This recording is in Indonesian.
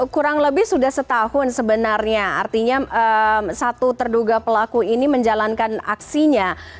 kurang lebih sudah setahun sebenarnya artinya satu terduga pelaku ini menjalankan aksinya